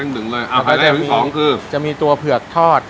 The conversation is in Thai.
เนื่องดึงเลยอะอันดังที่สองคือจะมีตัวเขือกทอด